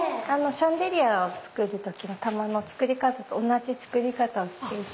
シャンデリアを作る時の玉と同じ作り方をしていて。